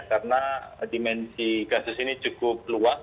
karena dimensi kasus ini cukup luas